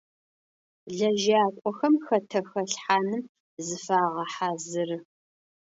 Лэжьакӏохэм хэтэ хэлъхьаным зыфагъэхьазыры.